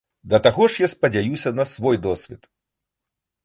Да таго ж я спадзяюся на свой досвед.